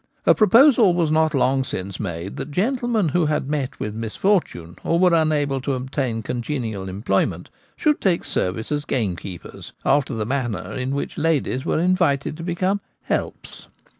A proposal was not long since made that gentle men who had met with misfortune or were unable to obtain congenial employment should take service as gamekeepers — after the manner in which ladies were invited to become ' helps.'